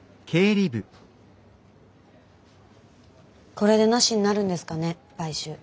これでなしになるんですかね買収。